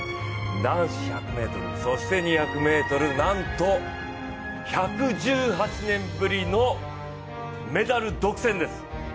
男子１００ｍ、そして２００ｍ、なんと１１８年ぶりのメダル独占です。